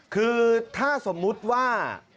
คือถ้าสมมุติว่า